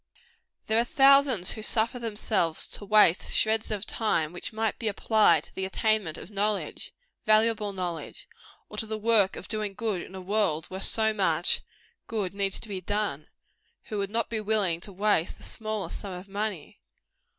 There are thousands who suffer themselves to waste shreds of time which might be applied to the attainment of knowledge valuable knowledge or to the work of doing good in a world where so much good needs to be done, who would not be willing to waste the smallest sum of money.